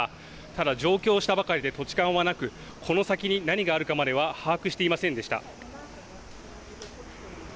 ただ上京したばかりで土地勘はなく、この先に何があるかまでは把握していませんでした。